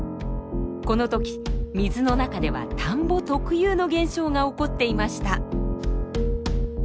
この時水の中では田んぼ特有の現象が起こっていました。